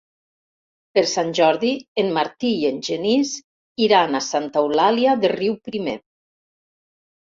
Per Sant Jordi en Martí i en Genís iran a Santa Eulàlia de Riuprimer.